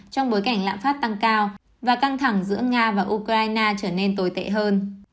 trong bối cảnh lạm phát tăng cao và căng thẳng giữa nga và ukraine trở nên tồi tệ hơn